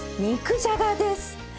肉じゃがです。